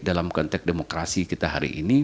dalam konteks demokrasi kita hari ini